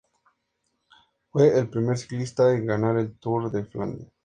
Fue el primer ciclista en ganar el Tour de Flandes.